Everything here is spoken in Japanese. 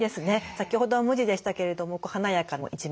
先ほどは無地でしたけれども華やかな一面貼り替えて。